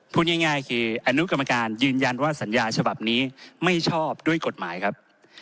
พูดง่ายคืออนุกรรมการยืนยันว่าสัญญาฉบับนี้ไม่ชอบด้วยกฎหมายครับ